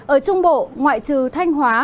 ở trung bộ ngoại trừ thanh hóa